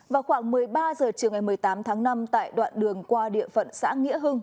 vào khoảng một mươi ba h chiều ngày một mươi tám tháng năm tại đoạn đường qua địa phận xã nghĩa hưng